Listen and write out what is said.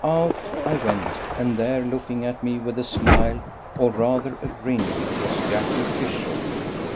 Out I went, and there, looking at me with a smile or rather a grin, was Jacky Fishook.